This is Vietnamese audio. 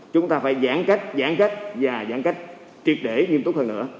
chúng ta phải giãn cách giãn cách và giãn cách triệt để nghiêm túc hơn nữa